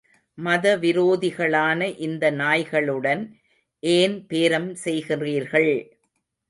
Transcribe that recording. மதவிரோதிகளான இந்த நாய்களுடன் ஏன் பேரம் செய்கிறீர்கள்!